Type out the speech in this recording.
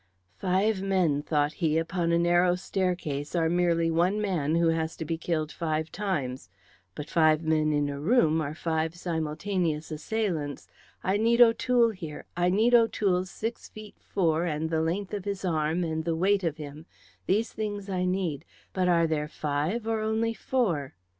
"Five men," thought he, "upon a narrow staircase are merely one man who has to be killed five times, but five men in a room are five simultaneous assailants. I need O'Toole here, I need O'Toole's six feet four and the length of his arm and the weight of him these things I need but are there five or only four?"